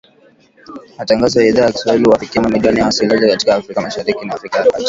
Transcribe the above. Matangazo ya Idhaa ya Kiswahili huwafikia mamilioni ya wasikilizaji katika Afrika Mashariki na Afrika ya Kati